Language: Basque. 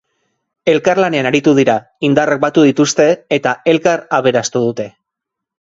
Elkarlanean aritu dira, indarrak batu dituzte eta elkar aberastu dute.